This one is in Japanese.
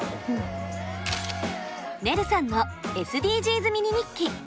ねるさんのＳＤＧｓミニ日記。